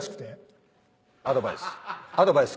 アドバイス。